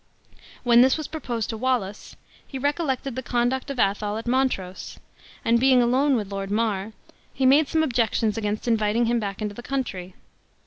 When this was proposed to Wallace, he recollected the conduct of Athol at Montrose; and, being alone with Lord Mar, he made some objections against inviting him back into the country.